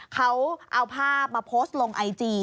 เขาเอาภาพมาโพสต์ลงไอจี